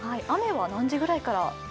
雨は何時ぐらいから？